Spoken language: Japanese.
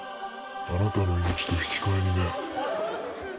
あなたの命と引き換えにね。